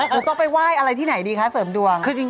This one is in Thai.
ถูกต้องไปไหว้อะไรที่ไหนดีคะเสริมดวง